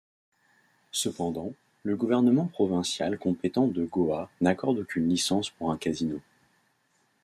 Cependant, le gouvernement provincial compétent de Goa n'accorde aucune licence pour un casino.